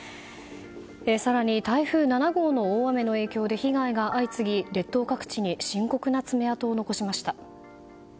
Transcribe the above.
更に台風７号の大雨の影響で被害が相次ぎ、列島各地に深刻な爪痕を残しました。